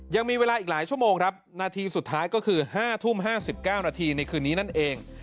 ยังมีเวลาอีกหลายชั่วโมงครับนาทีสุดท้ายก็คือ๕ทุ่ม๕๙นาทีในคืนนี้นั่นเอง